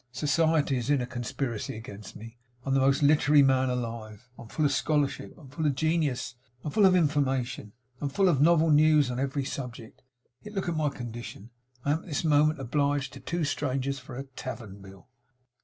Society is in a conspiracy against me. I'm the most literary man alive. I'm full of scholarship. I'm full of genius; I'm full of information; I'm full of novel views on every subject; yet look at my condition! I'm at this moment obliged to two strangers for a tavern bill!